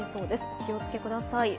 お気をつけください。